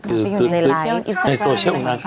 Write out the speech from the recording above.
อันนี้ในไลฟ์